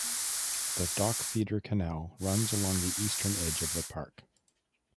The dock feeder canal runs along the eastern edge of the park.